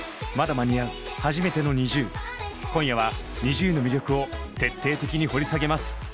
今夜はＮｉｚｉＵの魅力を徹底的に掘り下げます。